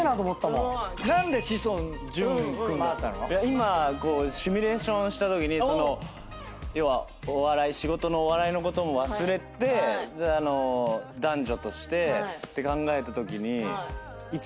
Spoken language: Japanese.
今こうシミュレーションしたときに要は仕事のお笑いのことも忘れて男女としてって考えたときに。